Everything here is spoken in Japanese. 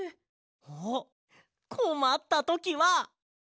あっこまったときは。